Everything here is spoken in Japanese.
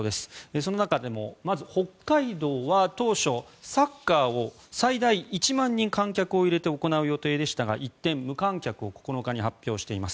その中でもまず北海道は当初サッカーを最大１万人観客を入れて行う予定でしたが一転、無観客を９日に発表しています。